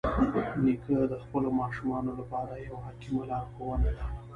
نیکه د خپلو ماشومانو لپاره یوه حکیمه لارښوونه ده.